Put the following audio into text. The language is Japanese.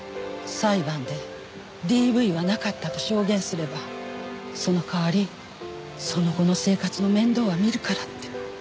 裁判でＤＶはなかったと証言すればその代わりその後の生活の面倒は見るからって。